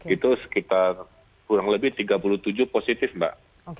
itu sekitar kurang lebih tiga puluh tujuh positif mbak